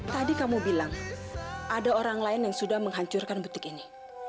tadi kamu bilang ada orang lain yang sudah menghancurkan butik ini